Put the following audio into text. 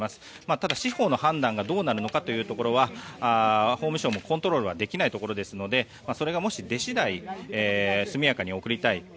ただ、司法の判断がどうなるのかというところは法務省もコントロールはできないところですのでそれがもし出次第速やかに送りたいと。